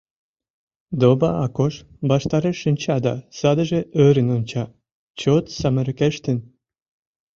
Доба Акош ваштареш шинча да садыже ӧрын онча: чот самырыкештын!